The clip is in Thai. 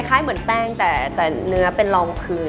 คล้ายเหมือนแป้งแต่เนื้อเป็นรองพื้น